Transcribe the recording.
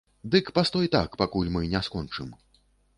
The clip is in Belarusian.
Дык пастой так, пакуль мы не скончым.